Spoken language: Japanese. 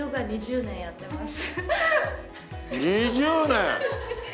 ２０年！